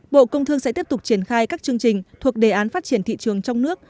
bộ công thương sẽ tiếp tục triển khai các chương trình thuộc đề án phát triển thị trường trong nước